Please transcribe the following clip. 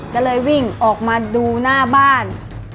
ก็เลยวิ่งออกมาดูหน้าบ้าน